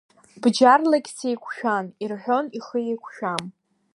Бџьарлагь сеиқәшәан, ирҳәон ихы еиқәшәам.